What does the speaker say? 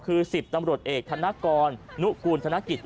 คือ๑๐ตำรวจเอกธนกรนุกูลธนกิจ